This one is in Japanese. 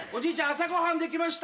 朝ご飯できました！